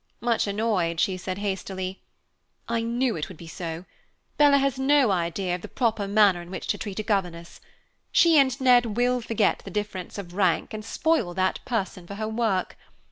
Much annoyed, she said hastily, "I knew it would be so! Bella has no idea of the proper manner in which to treat a governess. She and Ned will forget the difference of rank and spoil that person for her work.